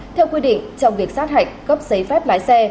theo quy định trong việc sát hạch cấp giấy phép lái xe